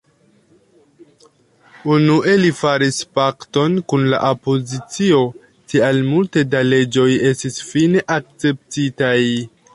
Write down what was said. Unue li faris pakton kun la opozicio, tial multe da leĝoj estis fine akceptitaj.